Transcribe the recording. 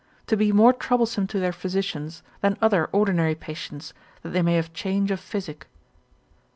to be more troublesome to their physicians, than other ordinary patients, that they may have change of physic.